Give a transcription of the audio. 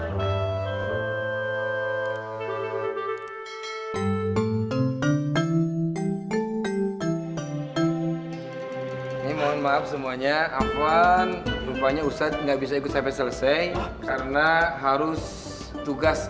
setelah ini melemah semuanya afwan rupanya usah nggak bisa ikut sampai selesai karena harus tugas